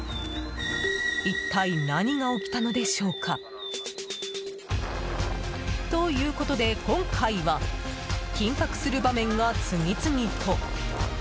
一体何が起きたのでしょうか？ということで今回は緊迫する場面が次々と。